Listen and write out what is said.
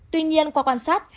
tuy nhiên qua quan sát